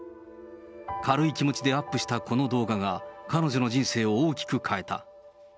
軽い気持ちでアップしたこの動画が、彼女の人生を大きく変えた。